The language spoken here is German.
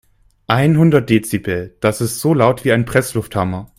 Einhundert Dezibel, das ist so laut wie ein Presslufthammer.